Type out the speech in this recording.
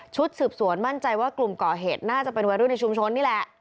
สืบสวนมั่นใจว่ากลุ่มก่อเหตุน่าจะเป็นวัยรุ่นในชุมชนนี่แหละ